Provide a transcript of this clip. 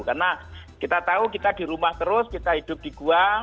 karena kita tahu kita di rumah terus kita hidup di gua